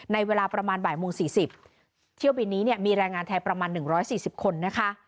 ในเวลาประมาณบ่ายโมงสี่สิบเที่ยวบินนี้เนี่ยมีแรงงานไทยประมาณหนึ่งร้อยสี่สิบคนนะคะ